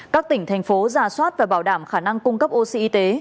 các tỉnh thành phố ra soát và bảo đảm khả năng cung cấp oxy y tế